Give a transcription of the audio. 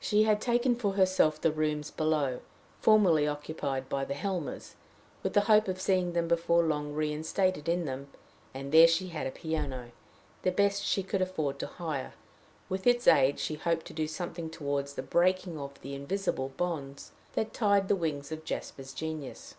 She had taken for herself the rooms below, formerly occupied by the Helmers, with the hope of seeing them before long reinstated in them; and there she had a piano, the best she could afford to hire: with its aid she hoped to do something toward the breaking of the invisible bonds that tied the wings of Jasper's genius.